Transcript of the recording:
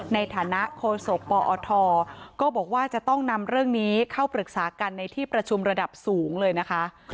ในฐานะโคศกปอทก็บอกว่าจะต้องนำเรื่องนี้เข้าปรึกษากันในที่ประชุมระดับสูงเลยนะคะ